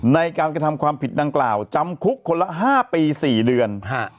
ในการกระทำความผิดดังกล่าวจำคุกคนละ๕ปี๔เดือน